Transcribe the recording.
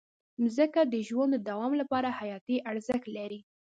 مځکه د ژوند د دوام لپاره حیاتي ارزښت لري.